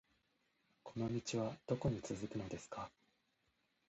この道はどこに続くのですか